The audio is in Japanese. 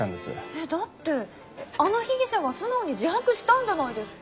えっだってあの被疑者は素直に自白したんじゃないですか。